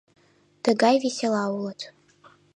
Тыгай весела улыт.